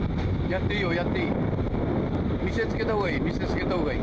やっていいよ、やっていい。